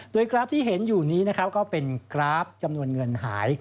โดยกราฟที่เห็นอยู่นี้นะครับก็เป็นกราฟจำนวนเงินหาย